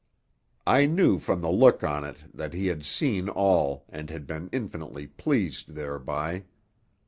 I knew from the look on it that he had seen all and had been infinitely pleased thereby.